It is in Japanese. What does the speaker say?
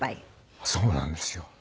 そうなんですよ。